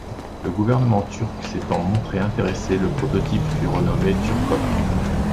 Le gouvernement turc s’étant montré intéressé, le prototype fut renommé Turcock.